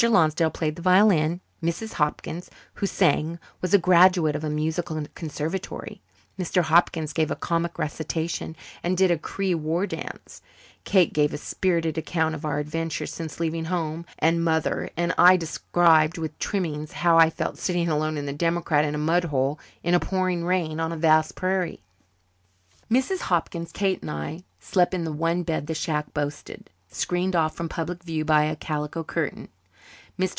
Lonsdale played the violin; Mrs. Hopkins, who sang, was a graduate of a musical conservatory; Mr. Hopkins gave a comic recitation and did a Cree war dance; Kate gave a spirited account of our adventures since leaving home and mother; and I described with trimmings how I felt sitting alone in the democrat in a mud hole, in a pouring rain on a vast prairie. Mrs. Hopkins, Kate, and I slept in the one bed the shack boasted, screened off from public view by a calico curtain. Mr.